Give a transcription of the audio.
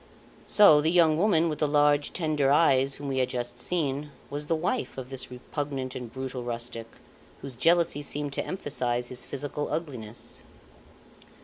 So the young Woman with the large, tender eyes, whom we had just seen, was the wife of this repugnant and brutal rustic, whose jealousy seemed to emphasise his physical ugliness.